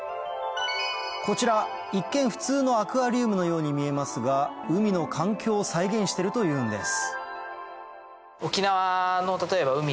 こちら一見普通のアクアリウムのように見えますが海の環境を再現してるというんです